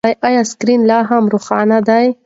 ایا سکرین لا هم روښانه دی؟